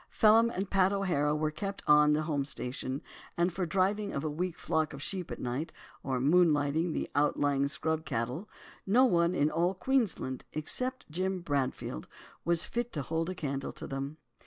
Phelim and Pat O'Hara were kept on the home station, and for driving a weak flock of sheep at night, or "moonlighting" the outlying scrub cattle, no one in all Queensland, except Jim Bradfield, was fit to "hold a candle" to them.